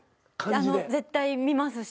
絶対見ますし。